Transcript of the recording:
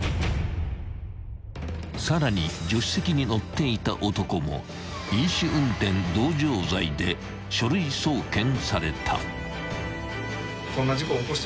［さらに助手席に乗っていた男も飲酒運転同乗罪で書類送検された］